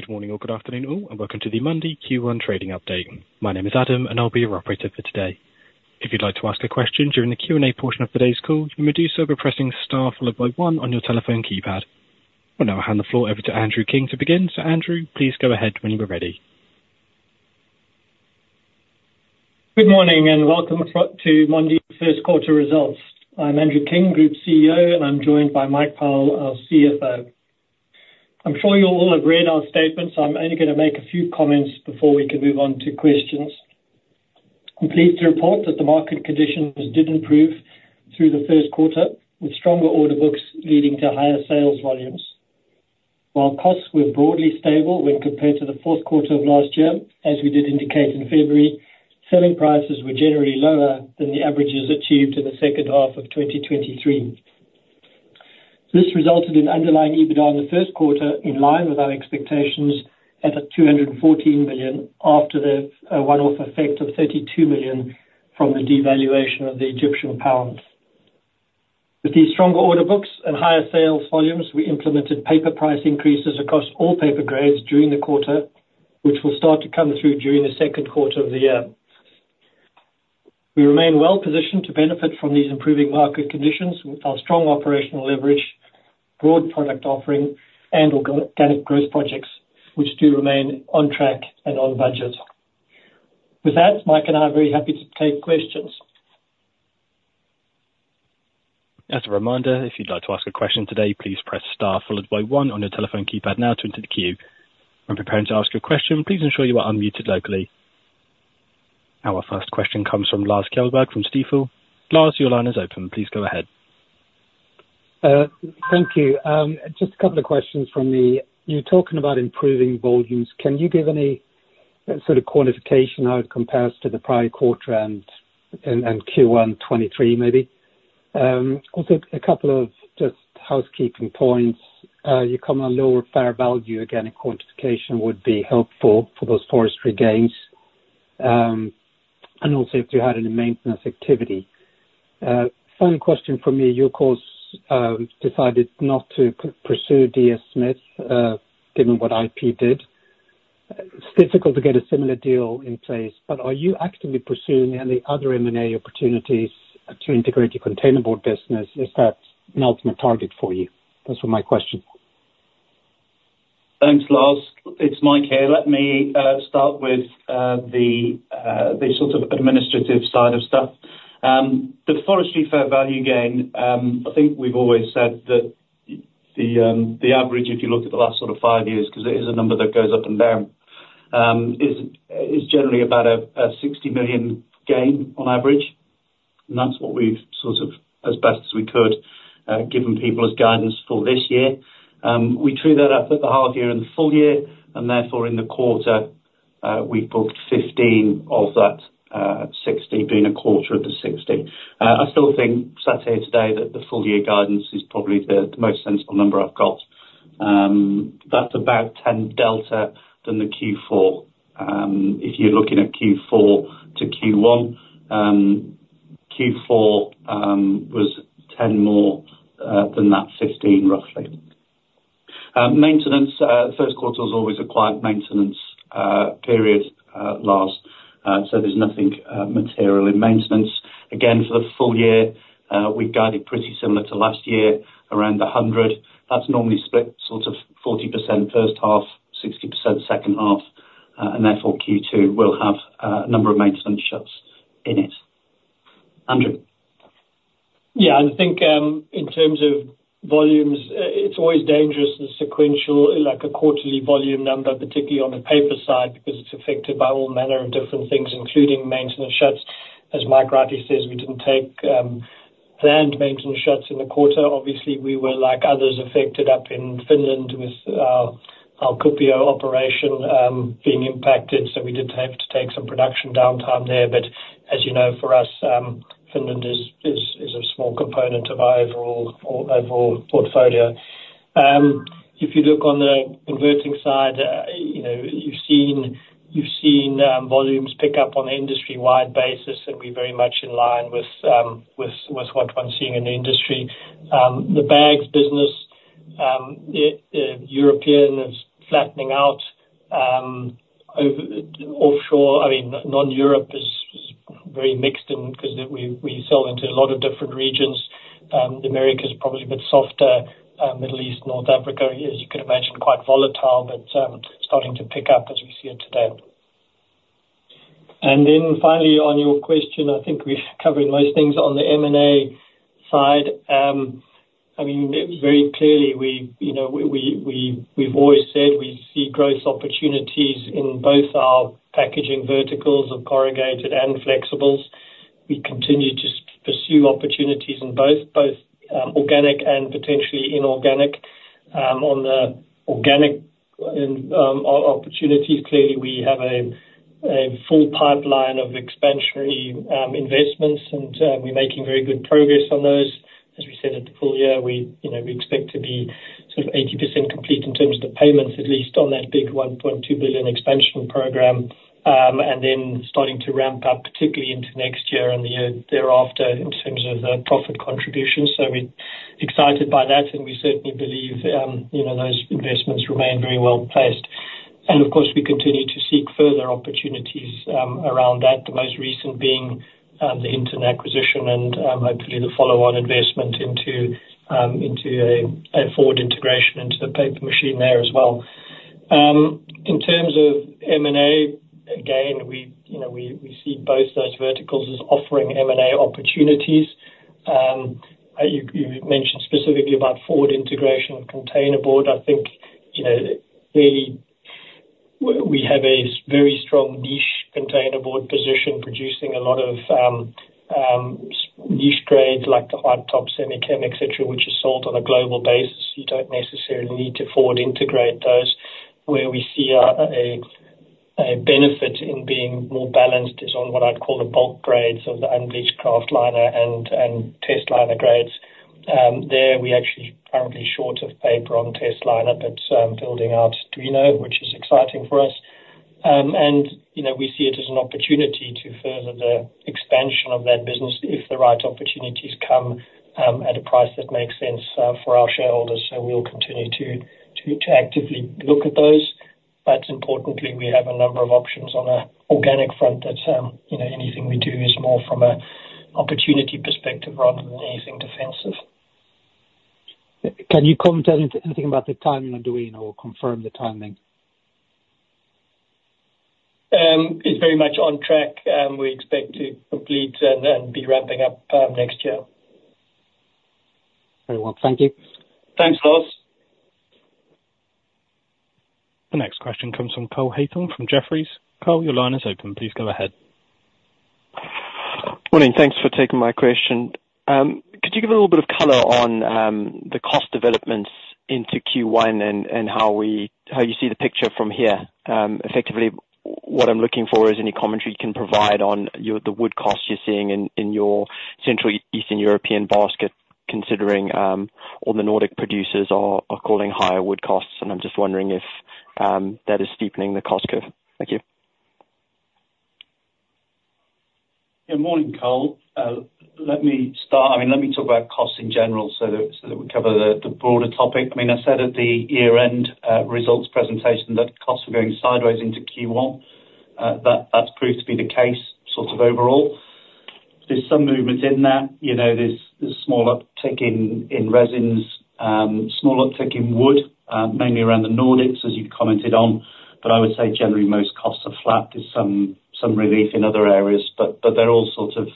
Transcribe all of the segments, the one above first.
Good morning or good afternoon, all, and welcome to the Mondi Q1 trading update. My name is Adam, and I'll be your operator for today. If you'd like to ask a question during the Q&A portion of today's call, you may do so by pressing star followed by one on your telephone keypad. We'll now hand the floor over to Andrew King to begin. So Andrew, please go ahead when you are ready. Good morning, and welcome to Mondi's first quarter results. I'm Andrew King, Group CEO, and I'm joined by Mike Powell, our CFO. I'm sure you all have read our statement, so I'm only gonna make a few comments before we can move on to questions. I'm pleased to report that the market conditions did improve through the first quarter, with stronger order books leading to higher sales volumes. While costs were broadly stable when compared to the fourth quarter of last year, as we did indicate in February, selling prices were generally lower than the averages achieved in the second half of 2023. This resulted in underlying EBITDA in the first quarter, in line with our expectations at 214 million, after the one-off effect of 32 million from the devaluation of the Egyptian pound. With these stronger order books and higher sales volumes, we implemented paper price increases across all paper grades during the quarter, which will start to come through during the second quarter of the year. We remain well positioned to benefit from these improving market conditions with our strong operational leverage, broad product offering, and organic growth projects, which do remain on track and on budget. With that, Mike and I are very happy to take questions. As a reminder, if you'd like to ask a question today, please press star followed by one on your telephone keypad now to enter the queue. When preparing to ask your question, please ensure you are unmuted locally. Our first question comes from Lars Kjellberg from Stifel. Lars, your line is open. Please go ahead. Thank you. Just a couple of questions from me. You're talking about improving volumes. Can you give any sort of quantification, how it compares to the prior quarter and Q1 2023 maybe? Also, a couple of just housekeeping points. You came to a lower fair value, again, a quantification would be helpful for those forestry gains. And also if you had any maintenance activity. Final question from me, you of course decided not to pursue DS Smith, given what IP did. It's difficult to get a similar deal in place, but are you actively pursuing any other M&A opportunities to integrate your containerboard business? Is that an ultimate target for you? Those are my questions. Thanks, Lars. It's Mike here. Let me start with the sort of administrative side of stuff. The forestry fair value gain, I think we've always said that the average, if you look at the last sort of five years, 'cause it is a number that goes up and down, is generally about a 60 million gain on average, and that's what we've sort of, as best as we could, given people as guidance for this year. We true that up at the half year and the full year, and therefore in the quarter, we booked 15 of that 60, being a quarter of the 60. I still think, sat here today, that the full year guidance is probably the most sensible number I've got. That's about 10 delta than the Q4. If you're looking at Q4 to Q1, Q4 was 10 more than that 15, roughly. Maintenance, the first quarter is always a quiet maintenance period, Lars. So there's nothing material in maintenance. Again, for the full year, we've guided pretty similar to last year, around 100. That's normally split, sort of 40% first half, 60% second half, and therefore Q2 will have a number of maintenance shuts in it. Andrew? Yeah, I think, in terms of volumes, it's always dangerous and sequential, like a quarterly volume number, particularly on the paper side, because it's affected by all manner of different things, including maintenance shuts. As Mike rightly says, we didn't take planned maintenance shuts in the quarter. Obviously, we were like others affected up in Finland with our Kuopio operation being impacted, so we did have to take some production downtime there, but as you know, for us, Finland is a small component of our overall portfolio. If you look on the converting side, you know, you've seen volumes pick up on an industry-wide basis, and we're very much in line with what I'm seeing in the industry. The bags business, the European is flattening out. Offshore, I mean, non-Europe is very mixed, 'cause we sell into a lot of different regions. America is probably a bit softer. Middle East, North Africa, as you could imagine, quite volatile, but starting to pick up as we see it today. And then finally, on your question, I think we've covered most things on the M&A side. I mean, very clearly, you know, we've always said we see growth opportunities in both our packaging verticals of corrugated and flexibles. We continue to pursue opportunities in both, organic and potentially inorganic. On the organic opportunities, clearly we have a full pipeline of expansionary investments, and we're making very good progress on those. As we said at the full year, we, you know, we expect to be sort of 80% complete in terms of the payments, at least on that big 1.2 billion expansion program. And then starting to ramp up, particularly into next year and the year thereafter, in terms of the profit contribution. So we're excited by that, and we certainly believe, you know, those investments remain very well placed. And of course, we continue to seek further opportunities, around that, the most recent being, the Hinton acquisition and, hopefully the follow-on investment into, a forward integration into the paper machine there as well. In terms of M&A, again, we, you know, we see both those verticals as offering M&A opportunities. You mentioned specifically about forward integration and containerboard. I think, you know, really we have a very strong niche containerboard position, producing a lot of niche grades, like the hard top semi-chem, et cetera, which is sold on a global basis. You don't necessarily need to forward integrate those. Where we see a benefit in being more balanced is on what I'd call the bulk grades of the unbleached kraft liner and test liner grades. There we actually currently short of paper on test liner, but building out Duino, which is exciting for us. And, you know, we see it as an opportunity to further the expansion of that business if the right opportunities come at a price that makes sense for our shareholders. So we'll continue to actively look at those, but importantly, we have a number of options on an organic front that, you know, anything we do is more from an opportunity perspective rather than anything defensive. Can you comment on anything about the timing on Duino or confirm the timing? It's very much on track, and we expect to complete and be wrapping up next year. Very well. Thank you. Thanks, Lars. The next question comes from Cole Hathorn, from Jefferies. Cole, your line is open. Please go ahead. Morning. Thanks for taking my question. Could you give a little bit of color on the cost developments into Q1 and how you see the picture from here? Effectively, what I'm looking for is any commentary you can provide on the wood costs you're seeing in your Central Eastern European basket, considering all the Nordic producers are calling higher wood costs. I'm just wondering if that is steepening the cost curve. Thank you. Yeah, morning, Cole. Let me start. I mean, let me talk about costs in general so that we cover the broader topic. I mean, I said at the year-end results presentation that costs were going sideways into Q1. That, that's proved to be the case sort of overall. There's some movement in there. You know, there's small uptick in resins, small uptick in wood, mainly around the Nordics, as you commented on. But I would say generally, most costs are flat. There's some relief in other areas, but they're all sort of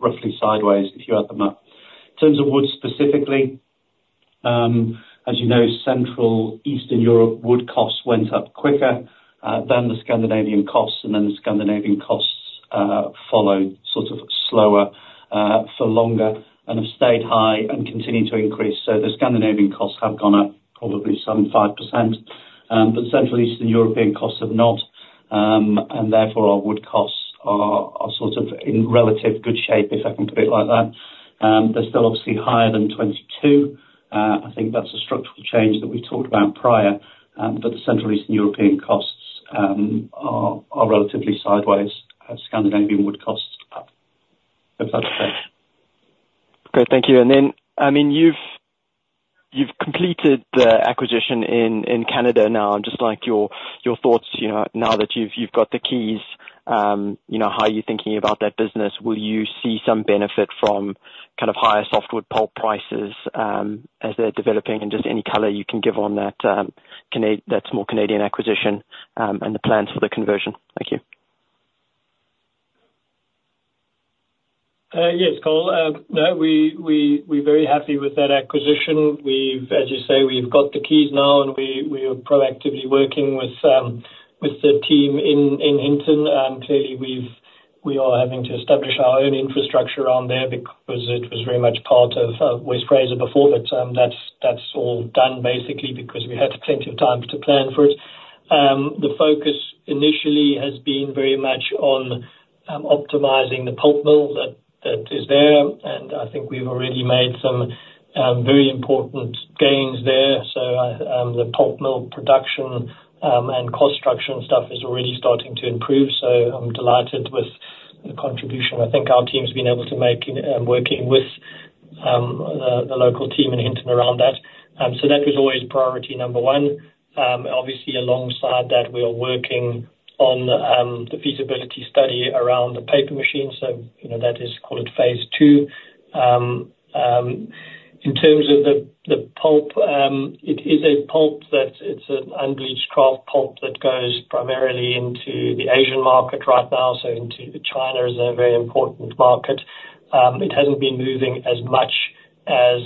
roughly sideways if you add them up. In terms of wood specifically, as you know, Central Eastern Europe, wood costs went up quicker than the Scandinavian costs, and then the Scandinavian costs followed sort of slower for longer, and have stayed high and continued to increase. So the Scandinavian costs have gone up probably some 5%. But Central Eastern European costs have not. And therefore, our wood costs are, are sort of in relative good shape, if I can put it like that. They're still obviously higher than 2022. I think that's a structural change that we talked about prior, but the Central Eastern European costs are, are relatively sideways as Scandinavian wood costs are up. If that's okay. Great. Thank you. And then, I mean, you've completed the acquisition in Canada now. Just like, your thoughts, you know, now that you've got the keys, you know, how are you thinking about that business? Will you see some benefit from kind of higher softwood pulp prices, as they're developing? And just any color you can give on that, that small Canadian acquisition, and the plans for the conversion. Thank you. Yes, Cole. No, we're very happy with that acquisition. We've, as you say, got the keys now, and we are proactively working with the team in Hinton. Clearly we are having to establish our own infrastructure there because it was very much part of West Fraser before. But that's all done basically because we had plenty of time to plan for it. The focus initially has been very much on optimizing the pulp mill that is there, and I think we've already made some very important gains there. So the pulp mill production and cost structure and stuff is already starting to improve. So I'm delighted with the contribution I think our team's been able to make in working with the local team in Hinton around that. So that was always priority number 1. Obviously alongside that, we are working on the feasibility study around the paper machine. So, you know, that is, call it phase 2. In terms of the pulp, it is a pulp that, it's an unbleached kraft pulp that goes primarily into the Asian market right now, so into China, is a very important market. It hasn't been moving as much as,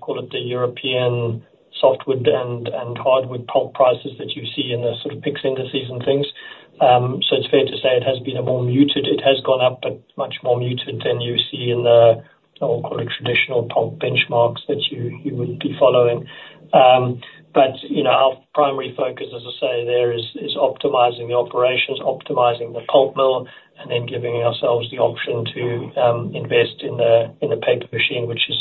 call it, the European softwood and hardwood pulp prices that you see in the sort of PIX indices and things. So it's fair to say it has been a more muted, it has gone up, but much more muted than you see in the, I'll call it, traditional pulp benchmarks that you would be following. But, you know, our primary focus, as I say, there is optimizing the operations, optimizing the pulp mill, and then giving ourselves the option to invest in the paper machine, which is,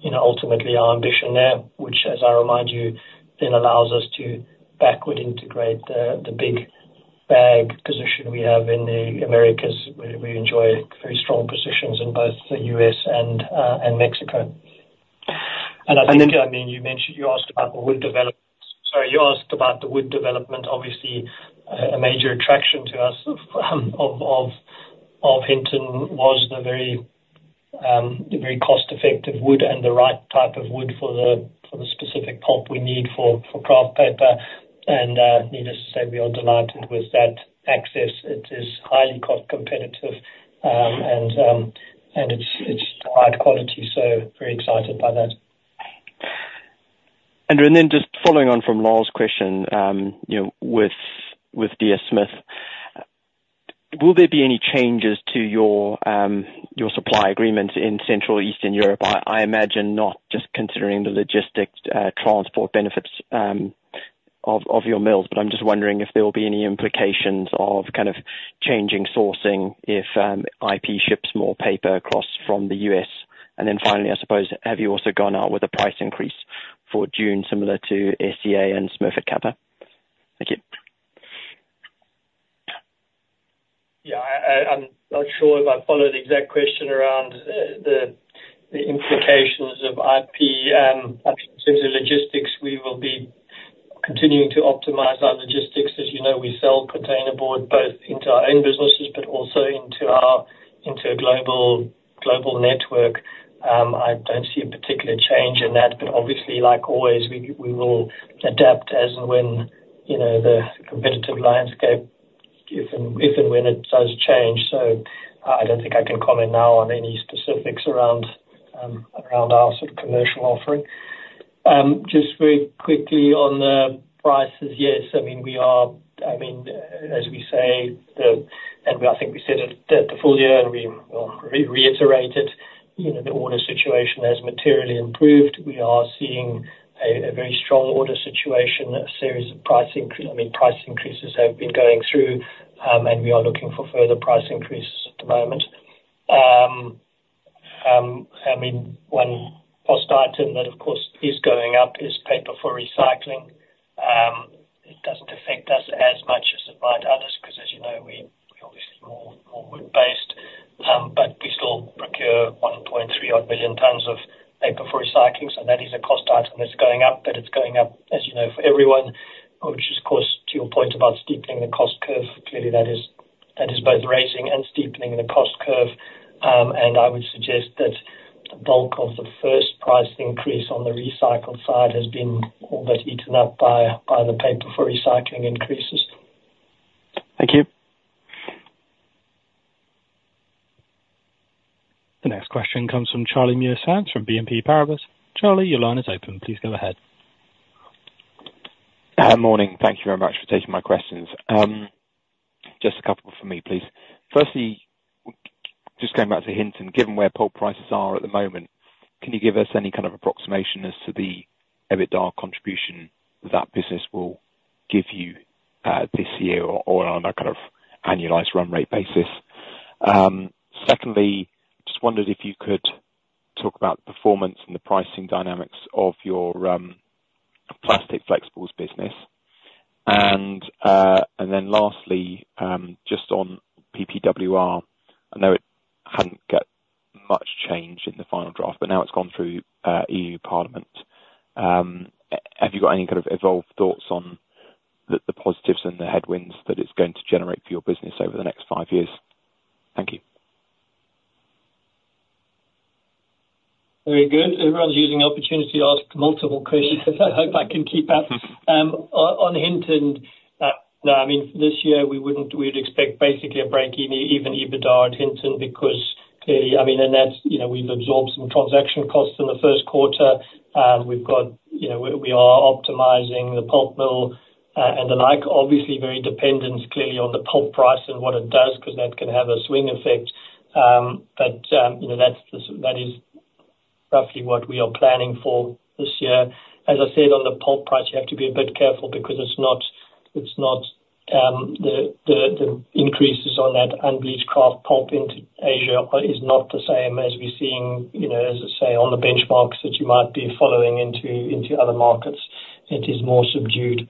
you know, ultimately our ambition there. Which, as I remind you, then allows us to backward integrate the big bag position we have in the Americas. We enjoy very strong positions in both the US and Mexico. And I think, I mean, you mentioned, you asked about the wood development. Sorry, you asked about the wood development. Obviously, a major attraction to us of Hinton was the very, very cost effective wood and the right type of wood for the specific pulp we need for kraft paper. And needless to say, we are delighted with that access. It is highly cost competitive, and it's high quality, so very excited by that. Andrew, and then just following on from Lars question, you know, with DS Smith, will there be any changes to your supply agreements in Central Eastern Europe? I imagine not, just considering the logistics, transport benefits of your mills. But I'm just wondering if there will be any implications of kind of changing sourcing if IP ships more paper across from the US. And then finally, I suppose, have you also gone out with a price increase for June, similar to SCA and Smurfit Kappa? Thank you. Yeah, I'm not sure if I followed the exact question around the implications of IP. In terms of logistics, we will be continuing to optimize our logistics. As you know, we sell containerboard, both into our own businesses, but also into our, into a global network. I don't see a particular change in that, but obviously, like always, we will adapt as and when, you know, the competitive landscape, if and when it does change. So I don't think I can comment now on any specifics around our sort of commercial offering. Just very quickly on the prices. Yes. I mean, we are, I mean, as we say, and I think we said it at the full year, and we, well, re-iterated, you know, the order situation has materially improved. We are seeing a very strong order situation, a series of price increases. I mean, price increases have been going through, and we are looking for further price increases at the moment. I mean, one cost item that of course is going up is paper for recycling. It doesn't affect us as much as it might others, 'cause as you know, we're obviously more wood-based. But we still procure 1.3 billion tons of paper for recycling, so that is a cost item that's going up, but it's going up, as you know, for everyone, which is of course, to your point about steepening the cost curve, clearly that is both raising and steepening the cost curve. and I would suggest that the bulk of the first price increase on the recycled side has been almost eaten up by the paper for recycling increases. Thank you. The next question comes from Charlie Muir-Sands from BNP Paribas. Charlie, your line is open. Please go ahead. Morning. Thank you very much for taking my questions. Just a couple from me, please. Firstly, just going back to Hinton, given where pulp prices are at the moment, can you give us any kind of approximation as to the EBITDA contribution that business will give you, this year, or on a kind of annualized run rate basis? Secondly, just wondered if you could talk about the performance and the pricing dynamics of your, plastic flexibles business. And then lastly, just on PPWR. I know it hadn't got much change in the final draft, but now it's gone through, EU Parliament. Have you got any kind of evolved thoughts on the, the positives and the headwinds that it's going to generate for your business over the next five years? Thank you. Very good. Everyone's using the opportunity to ask multiple questions. I hope I can keep up. On Hinton, no, I mean, this year we wouldn't we'd expect basically a break-even, even EBITDA at Hinton, because clearly, I mean, and that's, you know, we've absorbed some transaction costs in the first quarter. We've got, you know, we are optimizing the pulp mill, and the like. Obviously very dependent clearly on the pulp price and what it does, 'cause that can have a swing effect. But, you know, that's, that is roughly what we are planning for this year. As I said, on the pulp price, you have to be a bit careful because it's not the increases on that unbleached kraft pulp into Asia is not the same as we're seeing, you know, as I say, on the benchmarks that you might be following into other markets, it is more subdued.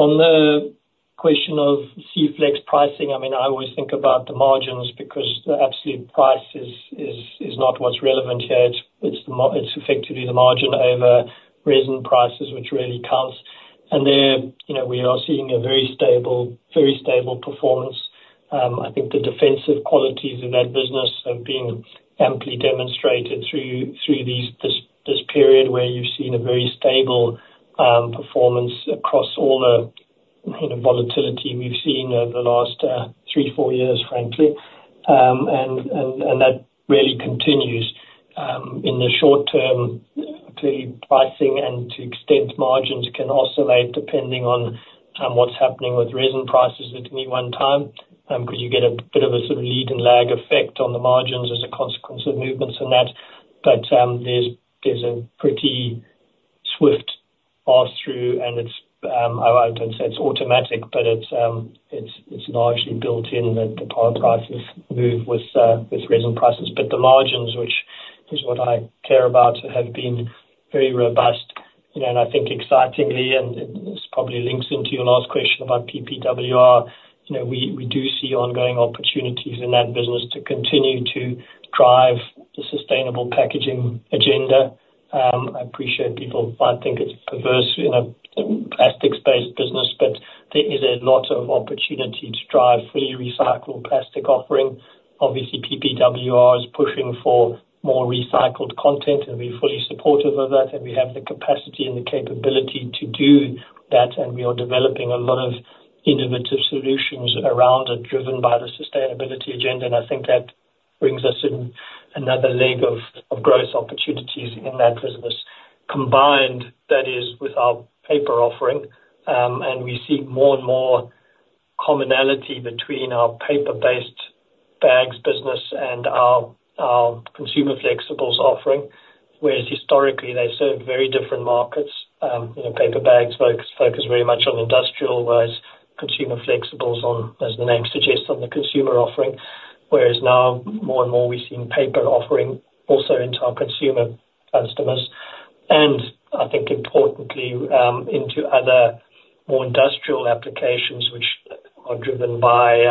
On the question of C-flex pricing, I mean, I always think about the margins, because the absolute price is not what's relevant here. It's effectively the margin over resin prices which really counts. And there, you know, we are seeing a very stable, very stable performance. I think the defensive qualities of that business have been amply demonstrated through this period, where you've seen a very stable performance across all the, you know, volatility we've seen over the last three, four years, frankly. And that really continues. In the short term, clearly pricing and to extent, margins can also aid, depending on what's happening with resin prices at any one time. 'Cause you get a bit of a sort of lead and lag effect on the margins as a consequence of movements in that. But there's a pretty swift pass-through, and it's, I don't say it's automatic, but it's largely built in, that the pulp prices move with resin prices. But the margins, which is what I care about, have been very robust. You know, and I think excitingly, and, and this probably links into your last question about PPWR, you know, we, we do see ongoing opportunities in that business to continue to drive the sustainable packaging agenda. I appreciate people might think it's perverse in a plastics-based business, but there is a lot of opportunity to drive fully recycled plastic offering. Obviously, PPWR is pushing for more recycled content, and we're fully supportive of that, and we have the capacity and the capability to do that, and we are developing a lot of innovative solutions around it, driven by the sustainability agenda. And I think that brings us in another leg of, of growth opportunities in that business. Combined, that is, with our paper offering, and we see more and more commonality between our paper-based bags business and our, our consumer flexibles offering, whereas historically, they served very different markets. You know, paper bags focused very much on industrial, whereas consumer flexibles on, as the name suggests, on the consumer offering. Whereas now, more and more, we're seeing paper offering also into our consumer customers, and I think importantly, into other more industrial applications which are driven by,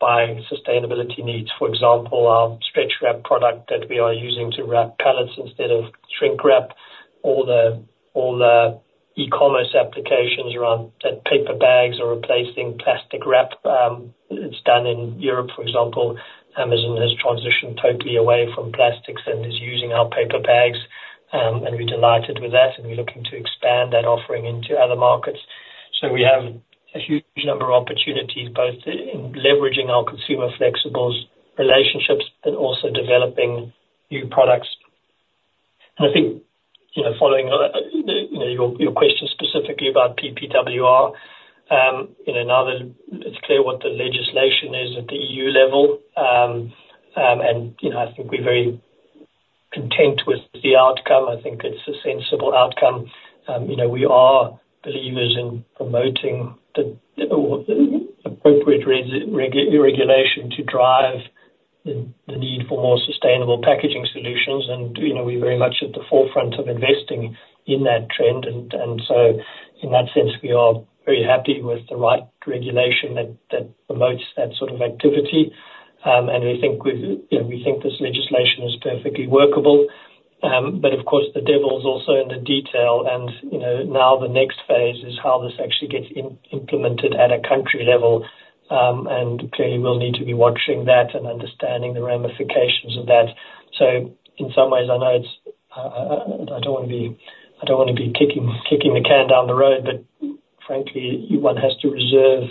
by sustainability needs. For example, our stretch wrap product that we are using to wrap pallets instead of shrink wrap, all the, all the e-commerce applications around... that paper bags are replacing plastic wrap. It's done in Europe, for example. Amazon has transitioned totally away from plastics and is using our paper bags, and we're delighted with that, and we're looking to expand that offering into other markets. So we have a huge number of opportunities, both in leveraging our consumer flexibles relationships, and also developing new products. And I think, you know, following, you know, your question specifically about PPWR, you know, now that it's clear what the legislation is at the EU level, and, you know, I think we're very content with the outcome. I think it's a sensible outcome. You know, we are believers in promoting the appropriate regulation to drive the need for more sustainable packaging solutions. You know, we're very much at the forefront of investing in that trend, and so in that sense, we are very happy with the right regulation that promotes that sort of activity. You know, we think this legislation is perfectly workable. But of course, the devil is also in the detail, and, you know, now the next phase is how this actually gets implemented at a country level. Clearly we'll need to be watching that, and understanding the ramifications of that. So in some ways, I know it's, I don't wanna be kicking the can down the road, but frankly, one has to reserve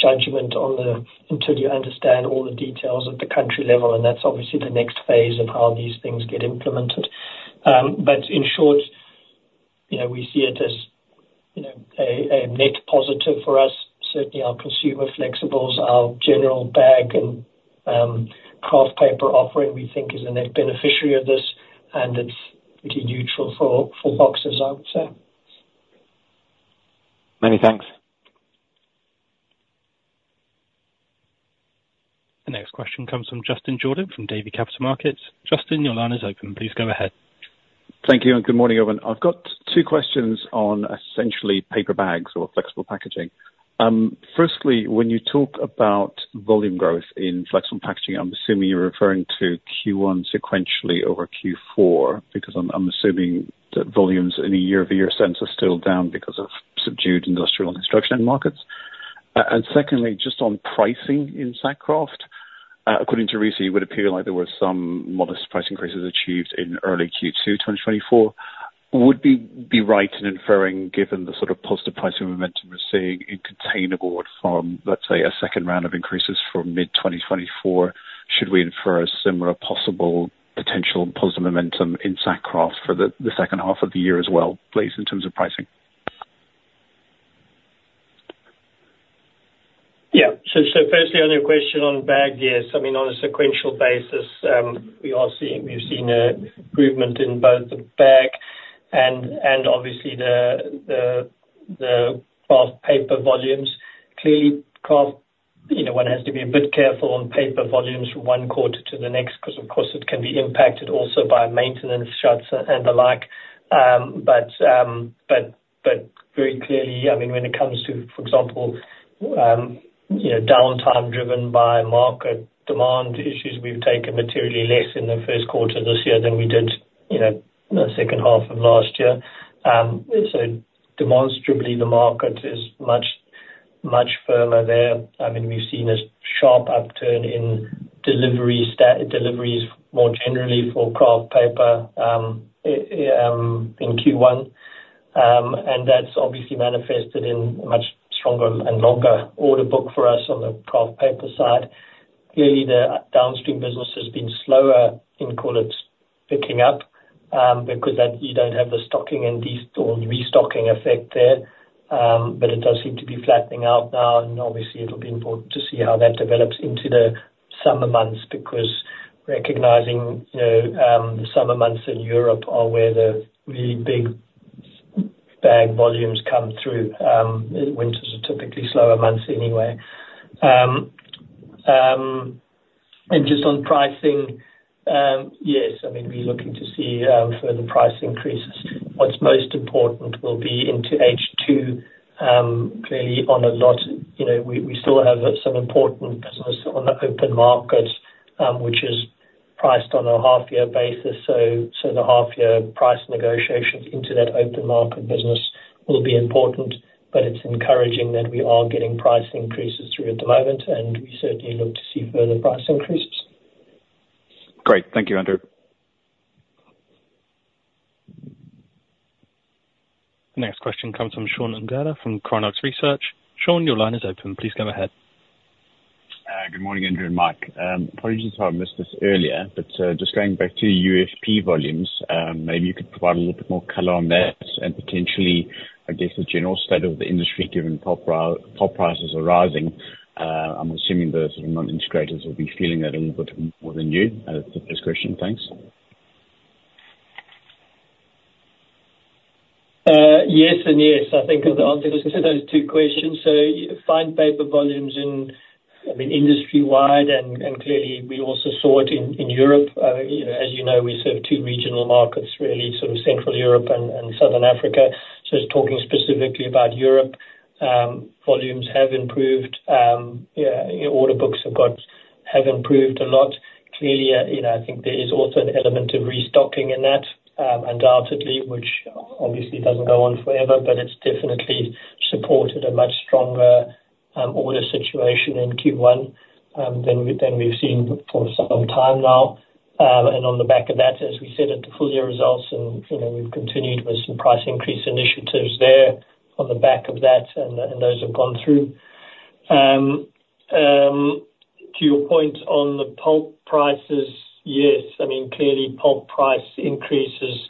judgment on the... until you understand all the details at the country level, and that's obviously the next phase of how these things get implemented. In short, you know, we see it as a net positive for us. Certainly our consumer flexibles, our general bag, and kraft paper offering, we think is a net beneficiary of this, and it's pretty neutral for boxes, I would say. Many thanks. The next question comes from Justin Jordan from Davy Capital Markets. Justin, your line is open. Please go ahead. Thank you, and good morning, everyone. I've got two questions on essentially paper bags or flexible packaging. Firstly, when you talk about volume growth in flexible packaging, I'm assuming you're referring to Q1 sequentially over Q4, because I'm assuming that volumes in a year-over-year sense are still down because of subdued industrial and construction end markets. And secondly, just on pricing in sack kraft, according to recent, it would appear like there were some modest price increases achieved in early Q2, 2024. Would we be right in inferring, given the sort of positive pricing momentum we're seeing in containerboard from, let's say, a second round of increases from mid-2024, should we infer a similar possible potential positive momentum in sack kraft for the second half of the year as well, please, in terms of pricing? Yeah. So, firstly, on your question on bag, yes, I mean, on a sequential basis, we've seen an improvement in both the bag and obviously the Kraft paper volumes. Clearly, Kraft, you know, one has to be a bit careful on paper volumes from one quarter to the next, 'cause of course it can be impacted also by maintenance shuts and the like. But very clearly, I mean, when it comes to, for example, you know, downtime driven by market demand issues, we've taken materially less in the first quarter this year than we did, you know, in the second half of last year. So demonstrably, the market is much, much firmer there. I mean, we've seen a sharp upturn in deliveries more generally for kraft paper in Q1. And that's obviously manifested in a much stronger and longer order book for us on the kraft paper side. Clearly, the downstream business has been slower in call it picking up, because then you don't have the stocking and destock, or restocking effect there. But it does seem to be flattening out now, and obviously it'll be important to see how that develops into the summer months, because recognizing, you know, the summer months in Europe are where the really big bag volumes come through. Winters are typically slower months anyway. And just on pricing, yes, I mean, we're looking to see further price increases. What's most important will be into H2. Clearly on a lot, you know, we still have some important business on the open markets, which is priced on a half year basis, so the half year price negotiations into that open market business will be important, but it's encouraging that we are getting price increases through at the moment, and we certainly look to see further price increases. Great. Thank you, Andrew. The next question comes from Sean Ungerer from Chronux Research. Sean, your line is open. Please go ahead. Good morning, Andrew and Mike. Apologies if I missed this earlier, but just going back to UFP volumes, maybe you could provide a little bit more color on that and potentially, I guess, the general state of the industry, given pulp prices are rising. I'm assuming those non-integrators will be feeling that a little bit more than you. That's the first question. Thanks. Yes and yes, I think are the answers to those two questions. So fine paper volumes in, I mean, industry-wide, and clearly we also saw it in Europe. You know, as you know, we serve two regional markets, really, sort of Central Europe and Southern Africa. So just talking specifically about Europe, volumes have improved. Yeah, order books have improved a lot. Clearly, you know, I think there is also an element of restocking in that, undoubtedly, which obviously doesn't go on forever, but it's definitely supported a much stronger order situation in Q1 than we've seen for some time now. And on the back of that, as we said, at the full year results, and, you know, we've continued with some price increase initiatives there, on the back of that, and those have gone through. To your point on the pulp prices, yes, I mean, clearly pulp price increases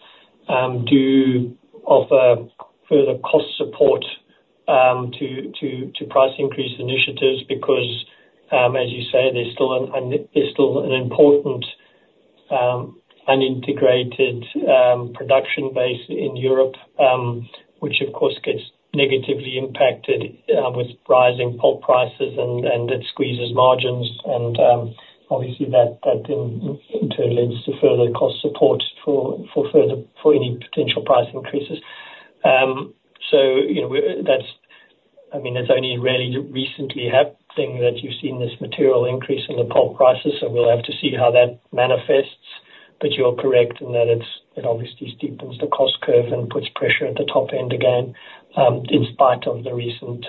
do offer further cost support to price increase initiatives, because, as you say, there's still an important integrated production base in Europe, which of course gets negatively impacted with rising pulp prices, and it squeezes margins, and obviously that in turn leads to further cost support for any potential price increases. So, you know, we're, that's, I mean, that's only really recently happening, that you've seen this material increase in the pulp prices, so we'll have to see how that manifests, but you're correct in that it's, it obviously steepens the cost curve and puts pressure at the top end again, in spite of the recent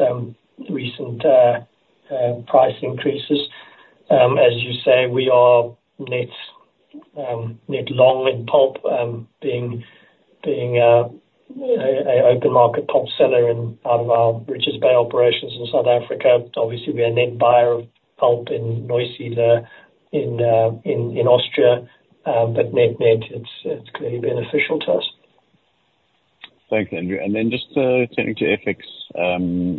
price increases. As you say, we are net long in pulp, being an open market pulp seller out of our Richards Bay operations in South Africa. Obviously, we are a net buyer of pulp in Neusiedl, in Austria, but net-net, it's clearly beneficial to us. Thanks, Andrew. And then just turning to FX,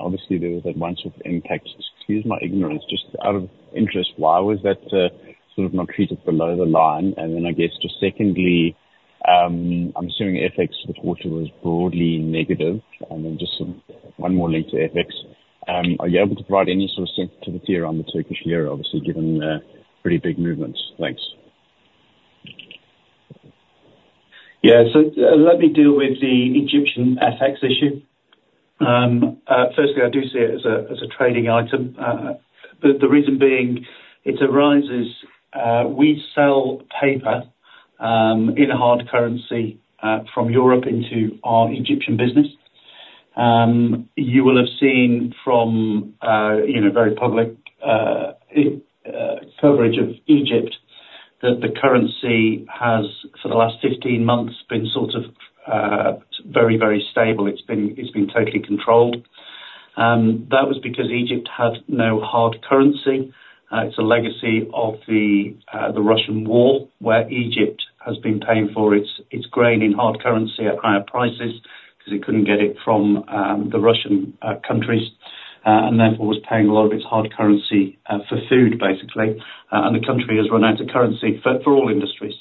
obviously there was that one-off impact. Excuse my ignorance, just out of interest, why was that sort of not treated below the line? And then I guess just secondly, I'm assuming FX this quarter was broadly negative, and then just one more thing to FX. Are you able to provide any sort of sensitivity around the Turkish lira, obviously, given the pretty big movements? Thanks. Yeah, so, let me deal with the Egyptian FX issue. Firstly, I do see it as a trading item, but the reason being, it arises, we sell paper in a hard currency from Europe into our Egyptian business. You will have seen from, you know, very public coverage of Egypt, that the currency has, for the last 15 months, been sort of very, very stable. It's been totally controlled. That was because Egypt had no hard currency. It's a legacy of the Russian War, where Egypt has been paying for its grain in hard currency at higher prices, because it couldn't get it from the Russian countries, and therefore was paying a lot of its hard currency for food, basically. And the country has run out of currency for all industries.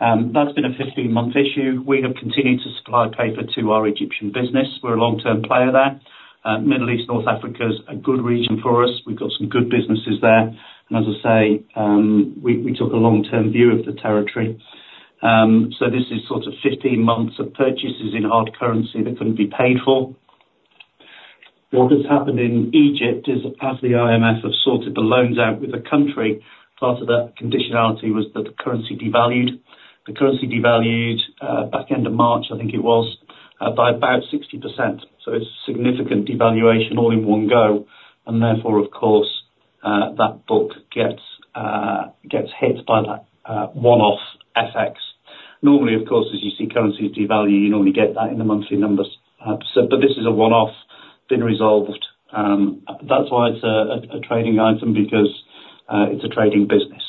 That's been a 15-month issue. We have continued to supply paper to our Egyptian business. We're a long-term player there. Middle East, North Africa is a good region for us. We've got some good businesses there, and as I say, we, we took a long-term view of the territory. So this is sort of 15 months of purchases in hard currency that couldn't be paid for. What has happened in Egypt is, as the IMF have sorted the loans out with the country, part of that conditionality was that the currency devalued. The currency devalued, back end of March, I think it was, by about 60%, so it's a significant devaluation all in one go, and therefore, of course, that book gets hit by that one-off FX. Normally, of course, as you see currencies devalue, you normally get that in the monthly numbers. So, but this is a one-off, been resolved. That's why it's a trading item, because it's a trading business.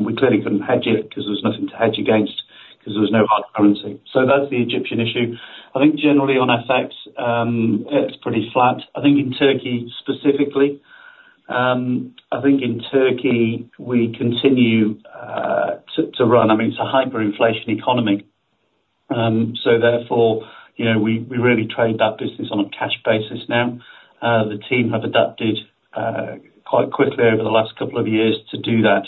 We clearly couldn't hedge it, because there was nothing to hedge against, because there was no hard currency. So that's the Egyptian issue. I think generally on FX, it's pretty flat. I think in Turkey specifically. I think in Turkey, we continue to run. I mean, it's a hyperinflation economy. So therefore, you know, we really trade that business on a cash basis now. The team have adapted quite quickly over the last couple of years to do that.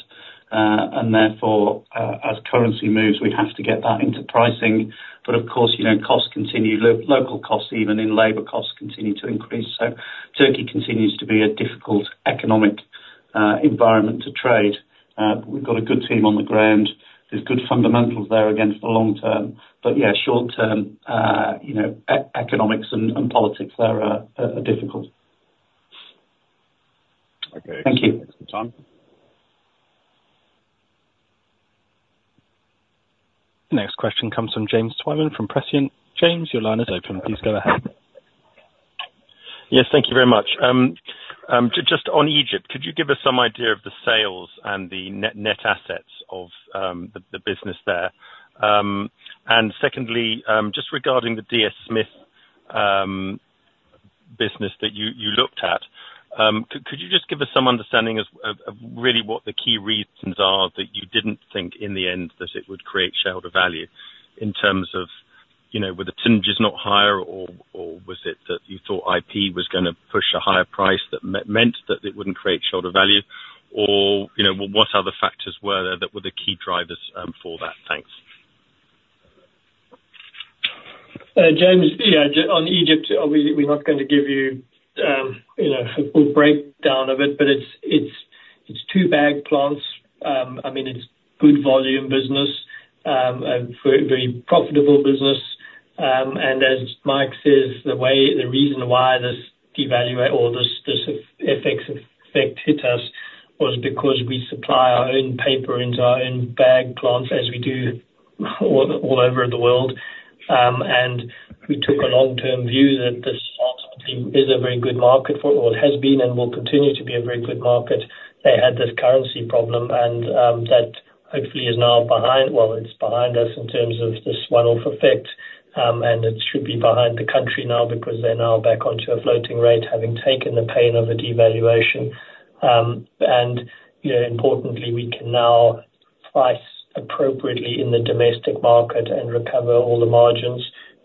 And therefore, as currency moves, we have to get that into pricing. But of course, you know, costs continue, local costs, even in labor costs, continue to increase. So Turkey continues to be a difficult economic environment to trade. But we've got a good team on the ground. There's good fundamentals there again, for the long-term. But yeah, short-term, you know, economics and politics there are difficult. Okay. Thank you. Thanks for the time. The next question comes from James Twyman from Prescient. James, your line is open. Please go ahead. Yes, thank you very much. Just on Egypt, could you give us some idea of the sales and the net assets of the business there? And secondly, just regarding the DS Smith business that you looked at, could you just give us some understanding of really what the key reasons are, that you didn't think in the end that it would create shareholder value, in terms of, you know, were the synergies not higher or was it that you thought IP was gonna push a higher price that meant that it wouldn't create shareholder value? Or, you know, what other factors were there, that were the key drivers for that? Thanks. James. Yeah, on Egypt, obviously we're not going to give you, you know, a full breakdown of it, but it's two bag plants. I mean, it's good volume business. A very, very profitable business. And as Mike says, the way the reason why this devaluation or this effect hit us was because we supply our own paper into our own bag plants, as we do all over the world. And we took a long-term view that this absolutely is a very good market for, or has been, and will continue to be a very good market. They had this currency problem, and that hopefully is now behind. Well, it's behind us in terms of this one-off effect. And it should be behind the country now, because they're now back onto a floating rate, having taken the pain of a devaluation. And, you know, importantly, we can now price appropriately in the domestic market, and recover all the margins.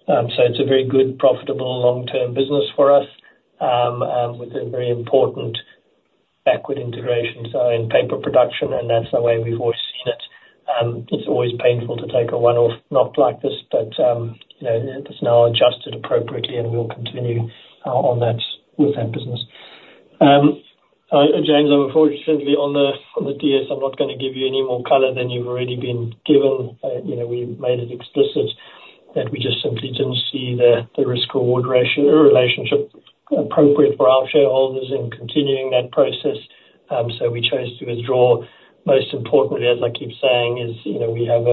So it's a very good, profitable, long-term business for us. With a very important backward integration in paper production, and that's the way we've always seen it. It's always painful to take a one-off knock like this, but, you know, it's now adjusted appropriately, and we'll continue, on that, with that business. James, unfortunately on the, on the DS, I'm not gonna give you any more color than you've already been given. You know, we made it explicit that we just simply didn't see the risk reward ratio, or relationship, appropriate for our shareholders in continuing that process. So we chose to withdraw. Most importantly, as I keep saying, is you know, we have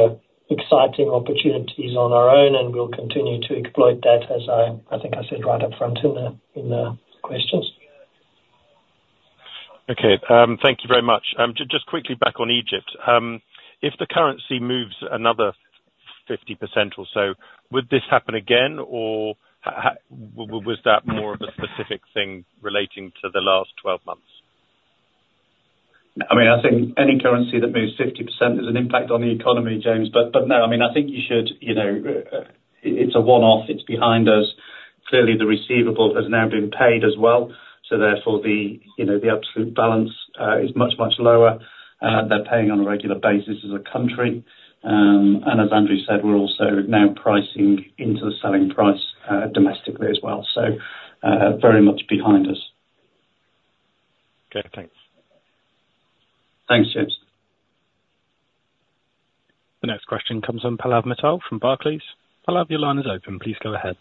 exciting opportunities on our own, and we'll continue to exploit that as I think I said right up front in the questions. Okay. Thank you very much. Just quickly back on Egypt. If the currency moves another 50% or so, would this happen again, or how was that more of a specific thing relating to the last 12 months? I mean, I think any currency that moves 50%, there's an impact on the economy, James. But, but no, I mean, I think you should, you know, it's a one-off, it's behind us. Clearly, the receivable has now been paid as well, so therefore the, you know, the absolute balance is much, much lower. They're paying on a regular basis as a country. And as Andrew said, we're also now pricing into the selling price domestically as well. So, very much behind us. Okay. Thanks. Thanks, James. The next question comes from Pallav Mittal from Barclays. Pallav, your line is open, please go ahead.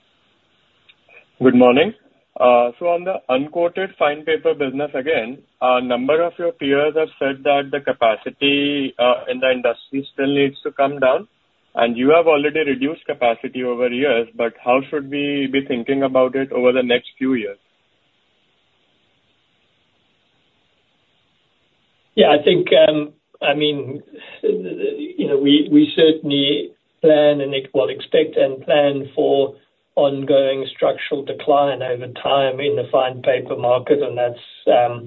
Good morning. So on the uncoated fine paper business, again, a number of your peers have said that the capacity in the industry still needs to come down, and you have already reduced capacity over years, but how should we be thinking about it over the next few years? Yeah, I think, I mean, you know, we certainly plan and well, expect and plan for ongoing structural decline over time in the fine paper market, and that's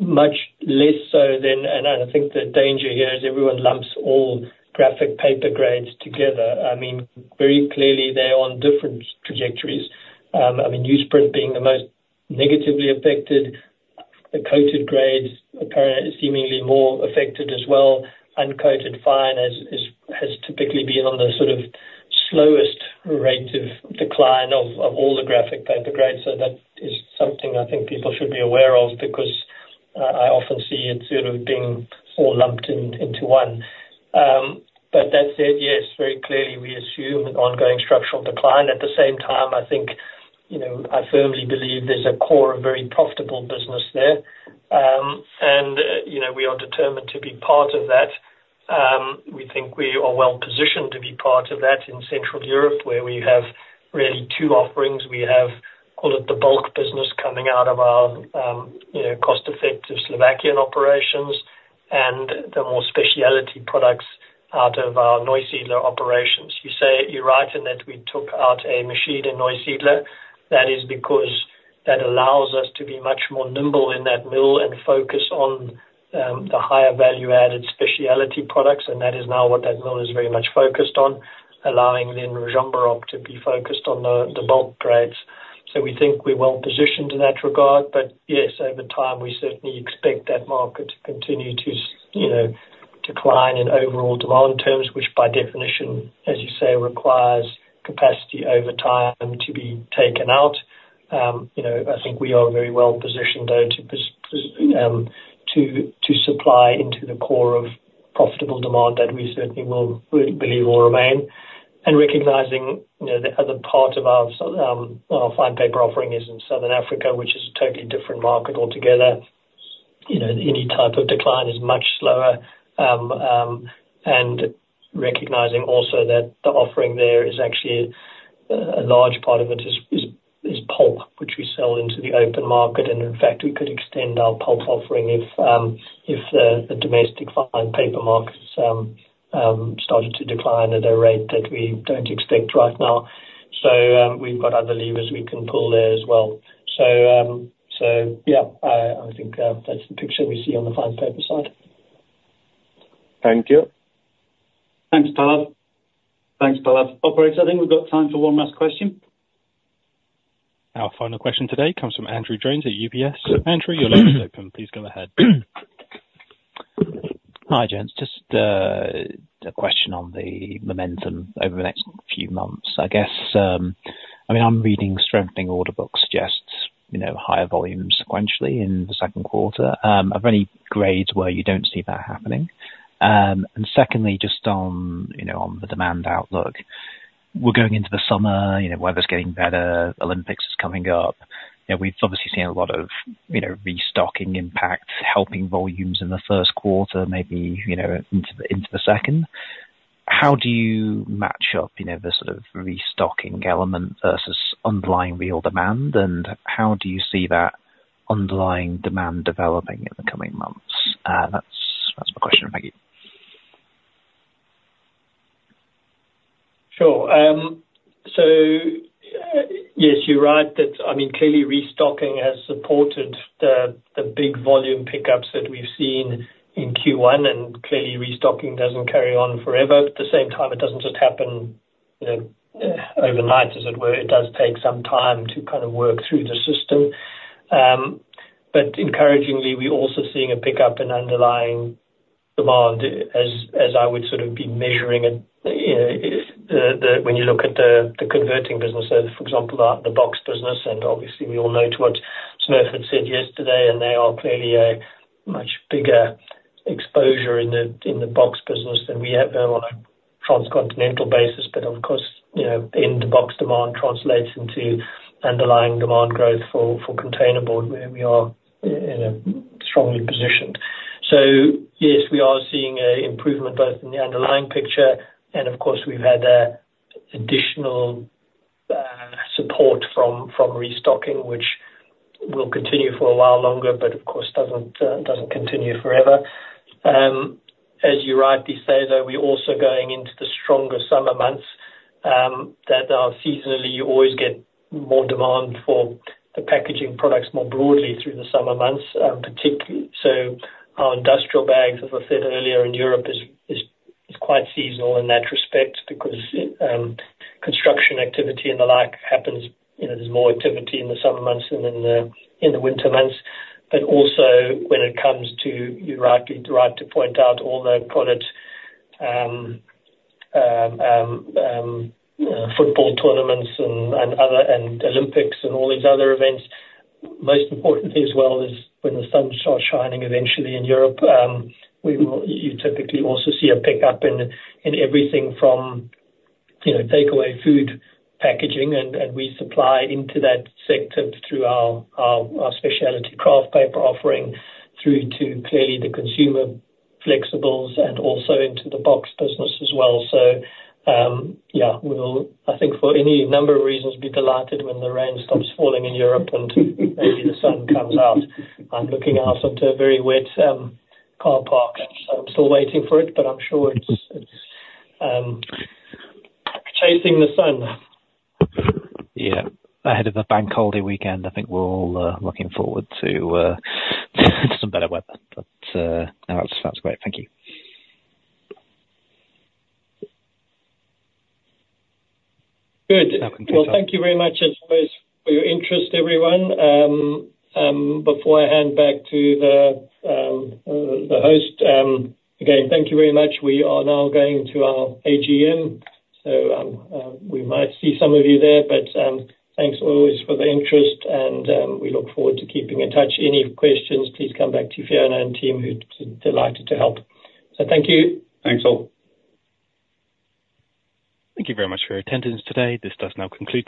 much less so than... I think the danger here is everyone lumps all graphic paper grades together. I mean, very clearly, they're on different trajectories. I mean, newsprint being the most negatively affected, the coated grades appear seemingly more affected as well. Uncoated fine has typically been on the sort of slowest rate of decline of all the graphic paper grades. So that is something I think people should be aware of, because I often see it sort of being all lumped in, into one. But that said, yes, very clearly, we assume an ongoing structural decline. At the same time, I think, you know, I firmly believe there's a core of very profitable business there. You know, we are determined to be part of that. We think we are well positioned to be part of that in Central Europe, where we have really two offerings. We have, call it the bulk business coming out of our cost-effective Slovakian operations, and the more specialty products out of our Neusiedler operations. You're right, in that we took out a machine in Neusiedler. That is because that allows us to be much more nimble in that mill, and focus on the higher value-added specialty products, and that is now what that mill is very much focused on, allowing then Rožnov to be focused on the bulk grades. So we think we're well positioned in that regard. But yes, over time, we certainly expect that market to continue to, you know, decline in overall demand terms, which by definition, as you say, requires capacity over time to be taken out. You know, I think we are very well positioned, though, to supply into the core of profitable demand that we certainly will, we believe, will remain. And recognizing, you know, the other part of our fine paper offering is in Southern Africa, which is a totally different market altogether. You know, any type of decline is much slower. And recognizing also that the offering there is actually a large part of it is pulp, which we sell into the open market. In fact, we could extend our pulp offering if the domestic fine paper markets started to decline at a rate that we don't expect right now. So, we've got other levers we can pull there as well. So yeah, I think that's the picture we see on the fine paper side. Thank you. Thanks, Pallav. Thanks, Pallav. Operator, I think we've got time for one last question. Our final question today comes from Andrew Jones at UBS. Andrew, your line is open. Please go ahead. Hi, gents. Just a question on the momentum over the next few months. I guess, I mean, I'm reading strengthening order books suggests, you know, higher volumes sequentially in the second quarter. Are there any grades where you don't see that happening? And secondly, just on, you know, on the demand outlook, we're going into the summer, you know, weather's getting better, Olympics is coming up. You know, we've obviously seen a lot of, you know, restocking impacts, helping volumes in the first quarter, maybe, you know, into the second. How do you match up, you know, the sort of restocking element versus underlying real demand? And how do you see that underlying demand developing in the coming months? That's my question. Thank you. Sure. So, yes, you're right that, I mean, clearly restocking has supported the, the big volume pickups that we've seen in Q1, and clearly restocking doesn't carry on forever. At the same time, it doesn't just happen, you know, overnight, as it were. It does take some time to kind of work through the system. But encouragingly, we're also seeing a pickup in underlying demand, as, as I would sort of be measuring it, you know, the... When you look at the, the converting business, so for example, the, the box business, and obviously we all know what Smurfit said yesterday, and they are clearly a much bigger exposure in the, in the box business than we have on a transcontinental basis. But of course, you know, in the box, demand translates into underlying demand growth for containerboard, where we are, you know, strongly positioned. So yes, we are seeing an improvement both in the underlying picture, and of course, we've had additional support from restocking, which will continue for a while longer, but of course doesn't continue forever. As you rightly say, though, we're also going into the stronger summer months, that seasonally, you always get more demand for the packaging products more broadly through the summer months. Particularly, so our industrial bags, as I said earlier, in Europe, is quite seasonal in that respect, because construction activity and the like happens, you know, there's more activity in the summer months than in the winter months. But also, when it comes to, you're right, you're right to point out all the product, football tournaments and other Olympics and all these other events. Most importantly as well, is when the sun starts shining eventually in Europe, we will—you typically also see a pickup in everything from, you know, takeaway food packaging, and we supply into that sector through our specialty kraft paper offering, through to clearly the consumer flexibles and also into the box business as well. So, we will, I think, for any number of reasons, be delighted when the rain stops falling in Europe, and maybe the sun comes out. I'm looking out onto a very wet car park, so I'm still waiting for it, but I'm sure it's chasing the sun. Yeah. Ahead of the bank holiday weekend, I think we're all looking forward to some better weather. But no, that's great. Thank you. Good. Welcome. Well, thank you very much as always for your interest, everyone. Before I hand back to the host, again, thank you very much. We are now going to our AGM, so we might see some of you there, but thanks always for the interest, and we look forward to keeping in touch. Any questions, please come back to Fiona and team, who'd be delighted to help. So thank you. Thanks, all. Thank you very much for your attendance today. This does now conclude today.